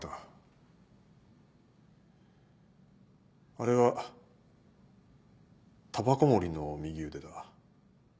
あれは煙草森の右腕だ。